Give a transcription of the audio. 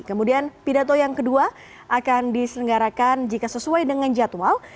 kemudian pidato yang kedua akan diselenggarakan jika sesuai dengan jadwal